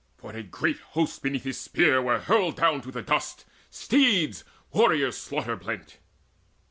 For a great host beneath his spear were hurled Down to the dust, steeds, warriors slaughter blent.